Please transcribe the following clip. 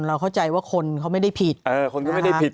เราเข้าใจว่าคนเขาไม่ได้ผิด